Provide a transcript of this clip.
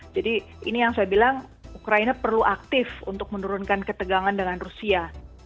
jadi ini yang saya bilang ukraina perlu aktif untuk menurunkan ketegangan dengan rusia